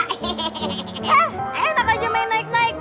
eh apa aja main naik naik